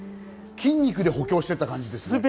筋肉で補強してった感じです